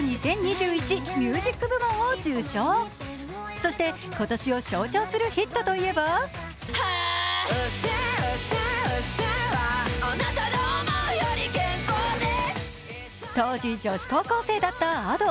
そして今年を象徴するヒットといえば当時、女子高校生だったＡｄｏ。